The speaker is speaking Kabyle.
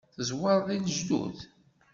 Tezwareḍ i lejdud.